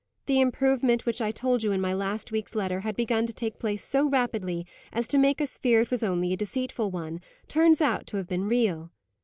The improvement, which I told you in my last week's letter had begun to take place so rapidly as to make us fear it was only a deceitful one, turns out to have been real.